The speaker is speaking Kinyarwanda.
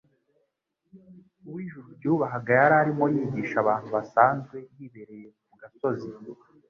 Uwo ijuru ryubahaga yari arimo yigisha abantu basanzwe, yibereye ku gasozi.